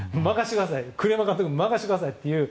栗山監督任せてくださいって。